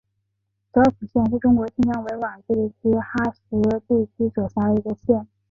泽普县是中国新疆维吾尔自治区喀什地区所辖的一个县。